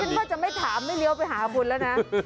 ฉันก็จะไม่ถามไม่เลี่ยวไปหาบุญแล้วนะ